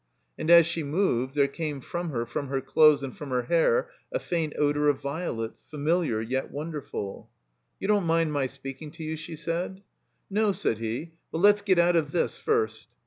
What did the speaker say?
And as she moved there came from her, from her clothes, and from her hair, a faint odor of violets, familiar yet wonderful. "You don't mind my speaking to you?" she said. "No," said he, "but let's get out of this first."